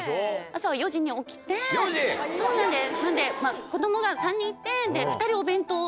そうなんです。